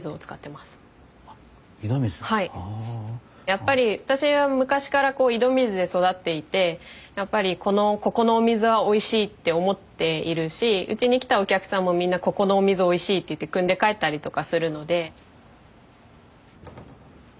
やっぱり私は昔から井戸水で育っていてやっぱりここのお水はおいしいって思っているしうちに来たお客さんもみんなここのお水おいしいって言って汲んで帰ったりとかするので。